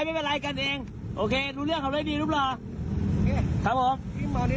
ไม่เป็นไรกันเองโอเครู้เรื่องเขาได้ดีรูปหล่อนี่ครับผม